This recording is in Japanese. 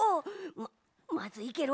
まっまずいケロ。